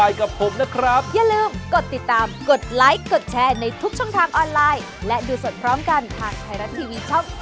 อย่าลืมติดตามกันนะครับ